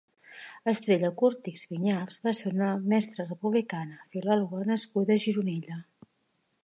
Estrella Cortichs Vinyals va ser una mestra republicana, filòloga nascuda a Gironella.